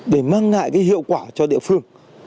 để mang lại cái hiệu quả cho địa phương